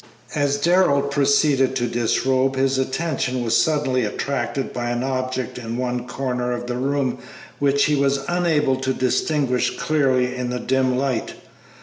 As Darrell proceeded to disrobe his attention was suddenly attracted by an object in one corner of the room which he was unable to distinguish clearly in the dim light.